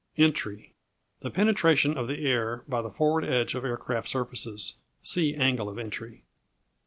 Entry The penetration of the air by the forward edge of aircraft surfaces. See Angle of Entry.